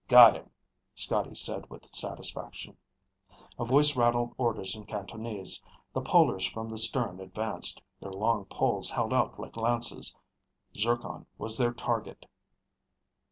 "Got him," Scotty said with satisfaction. A voice rattled orders in Cantonese. The polers from the stern advanced, their long poles held out like lances. Zircon was their target.